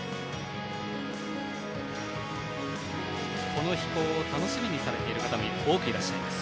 この飛行を楽しみにされている方も数多くいらっしゃいます。